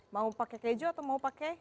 mau pakai keju atau mau pakai